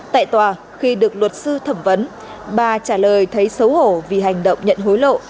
tại tòa khi được luật sư thẩm vấn bà trả lời thấy xấu hổ vì hành động nhận hối lộ